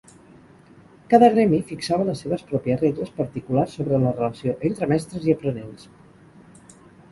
Cada gremi fixava les seves pròpies regles particulars sobre la relació entre mestres i aprenents.